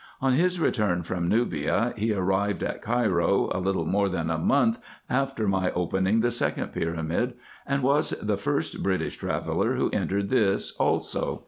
On his return from Nubia, he arrived at Cairo a little more than a month after my opening the second pyramid, and was the first British traveller who entered this also.